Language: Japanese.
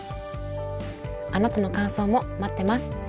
あなたの感想も待ってます。